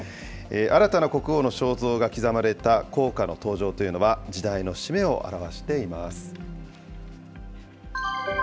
新たな国王の肖像が刻まれた硬貨の登場というのは、時代の節目を表しています。